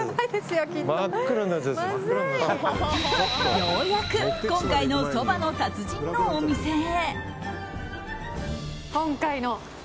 ようやく今回のそばの達人のお店へ。